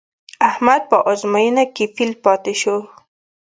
احمد په ازموینه کې فېل پاتې شو.